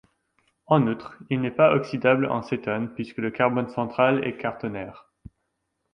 En outre, il n'est pas oxydable en cétone puisque le carbone central est quaternaire.